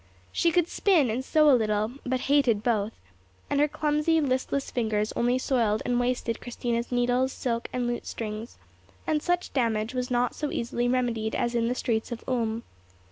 She could spin and sew a little, but hated both; and her clumsy, listless fingers only soiled and wasted Christina's needles, silk, and lute strings, and such damage was not so easily remedied as in the streets of Ulm.